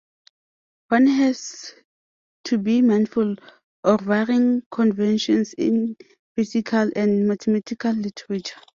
One has to be mindful of varying conventions in physical and mathematical literature.